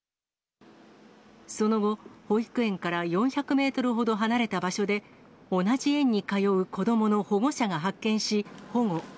その後、保育園から４００メートルほど離れた場所で、同じ園に通う子どもの保護者が発見し、保護。